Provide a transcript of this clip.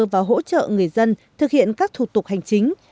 và hỗ trợ người dân thực hiện các thủ tục hành chính